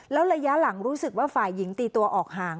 แล้วระยะหลังรู้สึกว่าฝ่ายหญิงตีตัวออกห่าง